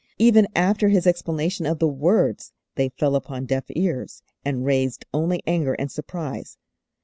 Even after His explanation of the words they fell upon deaf ears and raised only anger and surprise.